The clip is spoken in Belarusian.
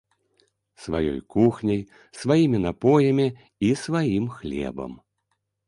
Сваёй кухняй, сваімі напоямі, і сваім хлебам.